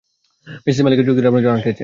Mrs Malika চুক্তিটা আপনার জন্য আটকে আছে।